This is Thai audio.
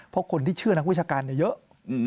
เพราะคนที่เชื่อนักวิชาการเยอะ